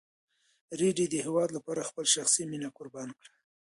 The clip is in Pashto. رېدي د هېواد لپاره خپله شخصي مینه قربان کړه.